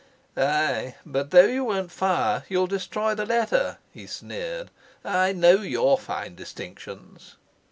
"Ay, but though you won't fire, you'll destroy the letter," he sneered. "I know your fine distinctions."